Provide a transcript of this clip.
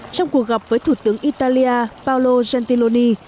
trong cuộc gặp với thủ tướng italia paolo gentiloni